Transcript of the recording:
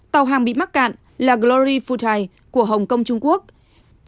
tàu hàng bị mắc cạn là glory futai của hồng kông trung quốc